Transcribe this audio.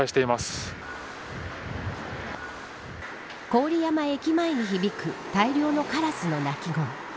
郡山駅前に響く大量のカラスの鳴き声。